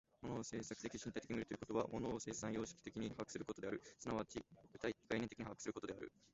物を制作的身体的に見るということは、物を生産様式的に把握することである、即ち具体概念的に把握することである。